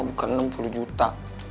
bukan enam puluh juta